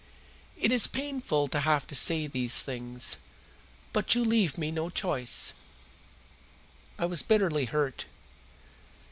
It is painful to have to say these things, but you leave me no choice." I was bitterly hurt.